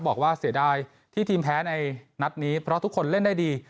บอกว่าเสียดายที่ทีมแพ้ในนัดนี้เพราะทุกคนเล่นได้ดี